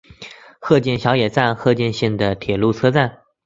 鹤见小野站鹤见线的铁路车站。